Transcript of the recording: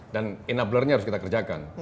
dan enabler nya harus kita kerjakan